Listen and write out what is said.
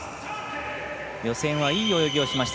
予選はいい泳ぎをしました。